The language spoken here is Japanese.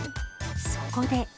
そこで。